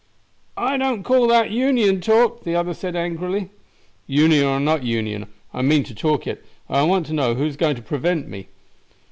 "I don't call that Union talk," the other said angrily. "Union or not Union, I mean to talk it, and I want to know who is going to prevent me?"